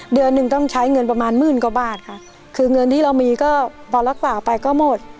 เดือนหนึ่งต้องใช้เงินประมาณหมื่นกว่าบาทค่ะคือเงินที่เรามีก็พอรักษาไปก็หมด